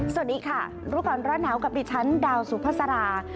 สวัสดีค่ะรู้ก่อนร้อนหนาวกับดิฉันดาวสุภาษา